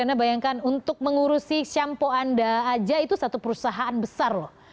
anda bayangkan untuk mengurusi shampo anda aja itu satu perusahaan besar loh